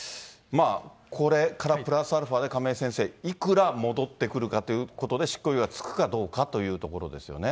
これ、プラスアルファで亀井先生、いくら戻ってくるかということで、執行猶予がつくかどうかというところですよね。